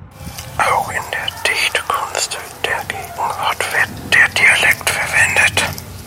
Auch in der Dichtkunst der Gegenwart wird der Dialekt verwendet.